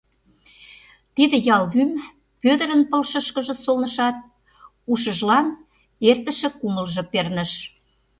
Тиде ял лӱм Пӧдырын пылышышкыже солнышат, ушыжлан эртыше кумылжо перныш...